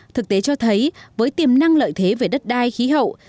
thực tế cho thấy với tiềm năng lợi thế về đất đai khí hậu